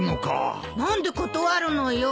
何で断るのよ？